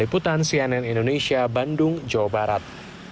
liputan cnn indonesia bandung jawa barat